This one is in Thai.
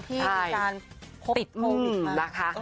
ที่มีการติดโควิดนะคะ